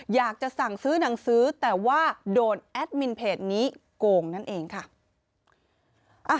อยากจะสั่งซื้อหนังสือแต่ว่าโดนแอดมินเพจนี้โกงนั่นเองค่ะ